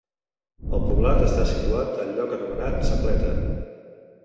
El poblat està situat al lloc anomenat Sa Pleta.